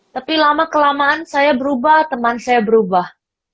tapi lama kelamaan saya berubah teman saya berubah